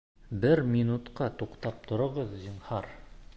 Бер минутҡа туҡтап тороғоҙ, зинһар!